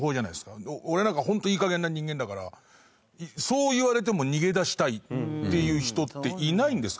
俺なんかホントいい加減な人間だからそう言われても逃げ出したいっていう人っていないんですか？